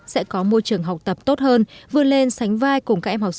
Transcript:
sẽ có môi trường học tập tốt hơn vươn lên sánh vai cùng các em học sinh